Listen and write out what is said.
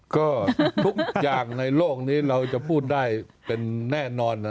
ก็ทุกอย่างในโลกนี้เราจะพูดได้เป็นแน่นอน